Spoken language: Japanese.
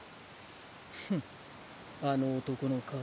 フンあの男の顔